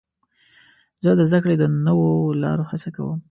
زه د زدهکړې د نوو لارو هڅه کوم.